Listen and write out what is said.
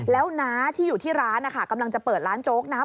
แล้วน้าที่อยู่ที่ร้านนะคะกำลังจะเปิดร้านโจ๊กนะ